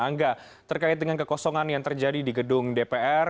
angga terkait dengan kekosongan yang terjadi di gedung dpr